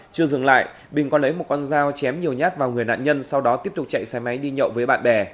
chưa dừng lại bình có lấy một con dao chém nhiều nhát vào người nạn nhân sau đó tiếp tục chạy xe máy đi nhậu với bạn bè